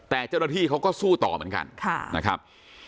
แต่เจ้าหน้าที่เขาก็สู้ต่อเหมือนกันนะครับ